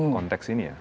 konteks ini ya